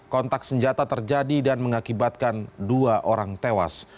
kontak senjata terjadi dan mengakibatkan dua orang tewas